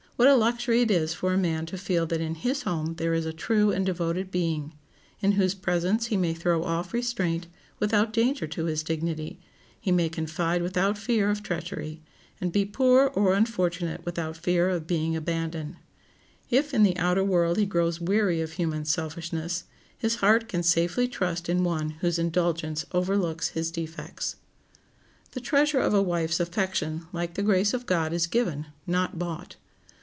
What a luxury it is for a man to feel that in his home there is a true and devoted being, in whose presence he may throw off restraint without danger to his dignity, he may confide without fear of treachery, and be poor or unfortunate without fear of being abandoned. If in the outer world he grows weary of human selfishness, his heart can safely trust in one whose indulgence overlooks his defects. The treasure of a wife's affection, like the grace of God, is given, not bought.